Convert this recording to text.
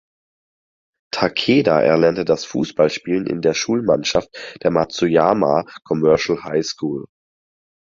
Takeda erlernte das Fußballspielen in der Schulmannschaft der Matsuyama Commercial High School.